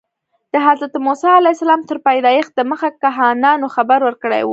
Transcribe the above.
د حضرت موسی علیه السلام تر پیدایښت دمخه کاهنانو خبر ورکړی و.